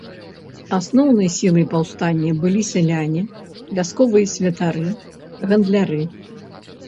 Асноўнай сілай паўстання былі сяляне, вясковыя святары, гандляры.